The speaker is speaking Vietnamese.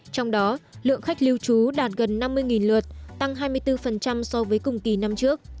trong đó lượng khách lưu trú đạt gần năm mươi lượt tăng hai mươi bốn so với cùng kỳ năm trước